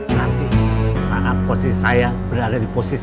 nanti saat posisi saya berada di posisi